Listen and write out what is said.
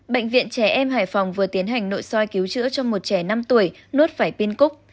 bệnh viện trẻ em hải phòng vừa tiến hành nội soi cứu chữa cho một trẻ năm tuổi nuốt phải pin cúc